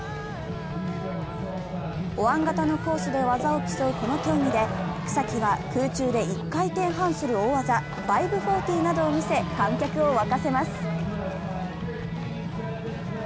おわん型のコースで技を競うこの競技で草木は空中で１回転半する大技、５４０などを見せ、観客を沸かせます。